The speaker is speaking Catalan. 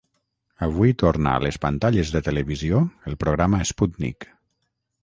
Avui torna a les pantalles de televisió el programa ‘Sputnik’.